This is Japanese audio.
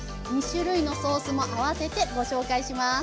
２種類のソースもあわせてご紹介します。